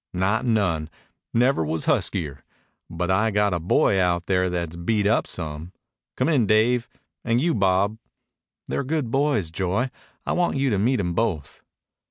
"Not none. Never was huskier. But I got a boy out here that's beat up some. Come in, Dave and you, Bob. They're good boys, Joy. I want you to meet 'em both."